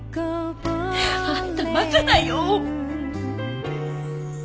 あんた馬鹿だよ！